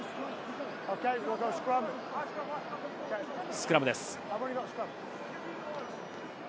スクラムです。